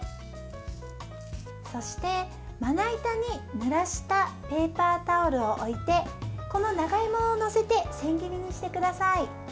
そして、まな板にぬらしたペーパータオルを置いてこの長芋を載せて千切りにしてください。